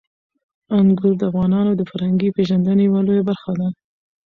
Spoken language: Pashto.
انګور د افغانانو د فرهنګي پیژندنې یوه لویه برخه ده.